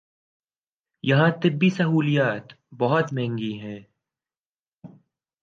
یہاں طبی سہولیات بہت مہنگی ہیں